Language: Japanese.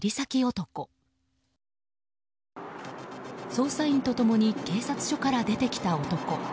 捜査員と共に警察署から出てきた男。